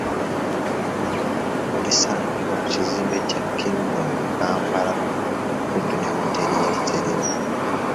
Lisangibwa ku kizimbe kya Kingdom Kampala okumpi ne wooteeri ya Sserena.